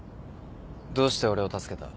どうして俺を助けた？